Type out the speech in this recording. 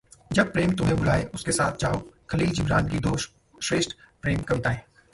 जब प्रेम तुम्हें बुलाये, उसके साथ जाओ: ख़लील जिब्रान की दो श्रेष्ठ प्रेम कविताएं